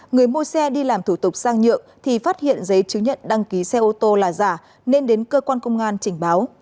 người mua xe đi làm thủ tục sang nhượng thì phát hiện giấy chứng nhận đăng ký xe ô tô là giả nên đến cơ quan công an trình báo